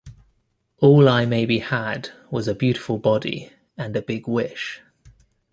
All I maybe had was a beautiful body and a big wish.